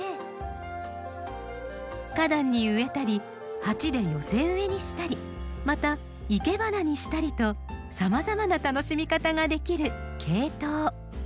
花壇に植えたり鉢で寄せ植えにしたりまた生け花にしたりとさまざまな楽しみ方ができるケイトウ。